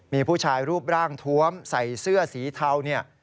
มีผู้ชายรูปร่างทวมใส่เสื้อสีเทาเนี่ย